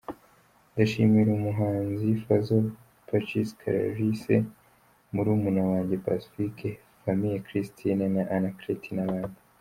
Ndashimira umuhanzi Fazzon, Pacis, Clarisse, murumuna wanjye Pacifique, Famille Christine na Anaclet, nabandi.